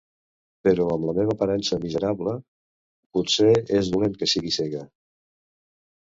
Però amb la meva aparença miserable potser és dolent que siguis cega.